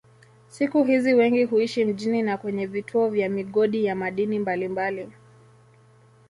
Siku hizi wengi huishi mjini na kwenye vituo vya migodi ya madini mbalimbali.